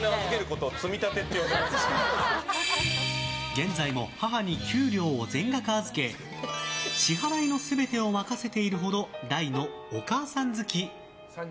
現在も母に給料を全額預け支払いの全てを任せているほど大のお母さん好き。